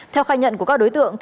theo khai nhận của các đối tượng